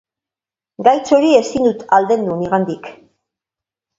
Gaitz hori ezin dut aldendu nigandik.